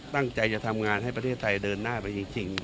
ตั้งใจจะทำงานให้ประเทศไทยเดินหน้าไปจริง